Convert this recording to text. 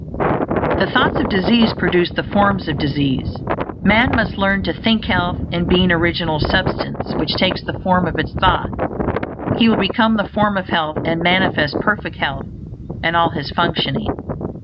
The thoughts of disease produce the forms of disease. Man must learn to think health; and being Original Substance which takes the form of its thoughts, he will become the form of health and manifest perfect health in all his functioning.